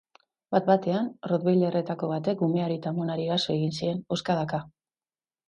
Bat-batean, rottweilerretako batek umeari eta amonari eraso egin zien, hozkadaka.